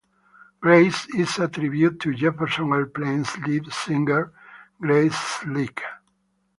"Grace" is a tribute to Jefferson Airplane's lead singer, Grace Slick.